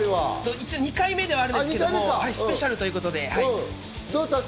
２回目なんですけどスペシャルということで。